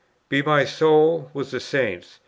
Be my soul with the Saints!